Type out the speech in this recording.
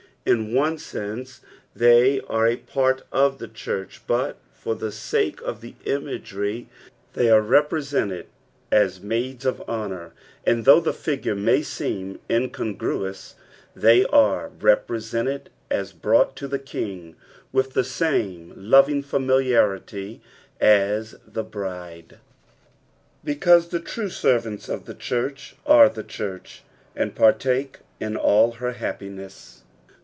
In one seose they are a part of the church, but for the sake of the imagery they arc represented as maids of honour ; and, though the figure may seem incongruous, they ar« represented as brought to the King with the same loving familiarity as the bride, because the true servants of the church are or the church, and partake in all her happiness.